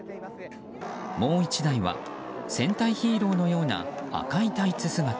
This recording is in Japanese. もう１台は戦隊ヒーローのような赤いタイツ姿。